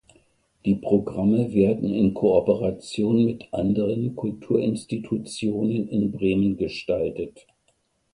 Die Programme werden in Kooperation mit anderen Kulturinstitutionen in Bremen gestaltet.